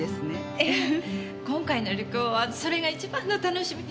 ええ今回の旅行はそれが一番の楽しみ。